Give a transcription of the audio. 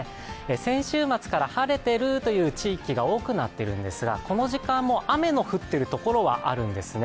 先週末から晴れてるという地域が多くなってきているんですがこの時間も雨の降っている所はあるんですね。